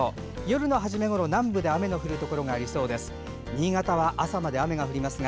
夜のはじめごろ、南部で雨の降るところがありそうです。